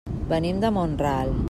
Venim de Mont-ral.